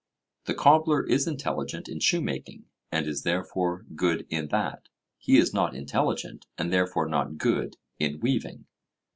The cobbler is intelligent in shoemaking, and is therefore good in that; he is not intelligent, and therefore not good, in weaving.